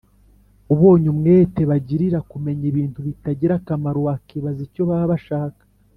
Ubonye umwete bagirira kumenya ibintu bitagira akamaro wakibaza icyo baba bashaka